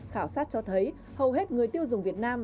khảo sát cho thấy hầu hết người tiêu dùng việt nam